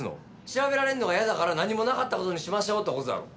調べられるのが嫌だから何もなかった事にしましょうって事だろ？